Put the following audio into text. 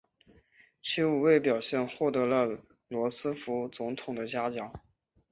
其无畏表现获得了罗斯福总统的嘉奖。